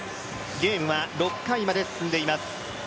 ゲームは６回まで進んでいます。